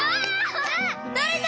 とれた！